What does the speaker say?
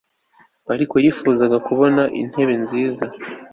ariko yifuza kubona intebe nziza